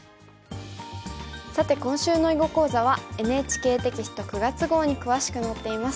さて今週の囲碁講座はＮＨＫテキスト９月号に詳しく載っています。